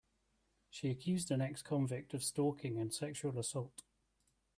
She accused an ex-convict of stalking and sexual assault.